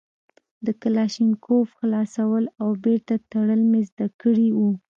د کلاشينکوف خلاصول او بېرته تړل مې زده کړي وو.